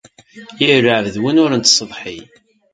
Yir lɛebd d win ur nettsetḥi.